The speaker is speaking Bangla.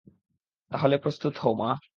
তাহলে প্রস্তুত হও, মা!